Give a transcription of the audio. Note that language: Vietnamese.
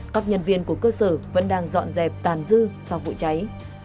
các nhân viên của cơ sở vẫn đang dọn dẹp tàn dư sau vụ cháy